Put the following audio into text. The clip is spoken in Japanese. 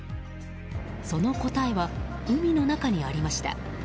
その答えは、海の中にありました。